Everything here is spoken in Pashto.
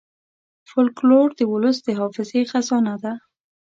فلکور د ولس د حافظې خزانه ده.